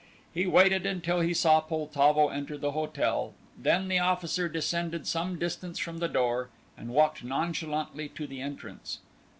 He waited until he saw Poltavo enter the hotel, then the officer descended some distance from the door, and walked nonchalantly to the entrance.